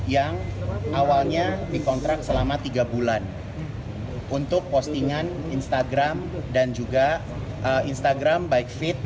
yang awalnya dikontrak selama tiga bulan untuk postingan instagram dan juga instagram baik feed